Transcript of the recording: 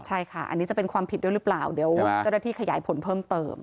ใช่ค่ะอันนี้จะเป็นความผิดด้วยหรือเปล่าเดี๋ยวเจ้าหน้าที่ขยายผลเพิ่มเติม